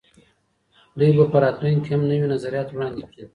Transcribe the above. دوی به په راتلونکي کي هم نوي نظریات وړاندې کړي.